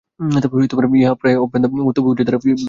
ইহা প্রায় অভ্রান্ত, তবে উহা দ্বারা জ্ঞাতব্য বিষয়ের সীমা বড় অল্প।